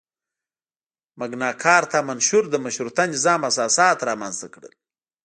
مګناکارتا منشور د مشروطه نظام اساسات رامنځته کړل.